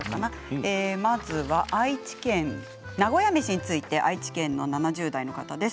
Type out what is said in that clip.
愛知県名古屋めしについて愛知県７０代の方です。